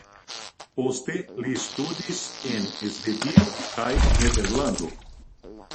Poste li studis en Svedio kaj Nederlando.